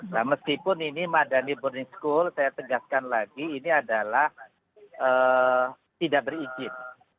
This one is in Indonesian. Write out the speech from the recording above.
nah meskipun ini madani boarding school saya tegaskan lagi ini adalah tidak berizin